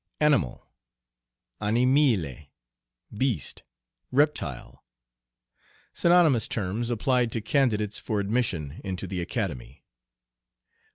"Animal," "animile," "beast," "reptile." Synonymous terms applied to candidates for admission into the Academy.